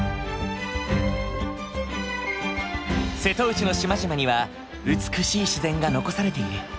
瀬戸内の島々には美しい自然が残されている。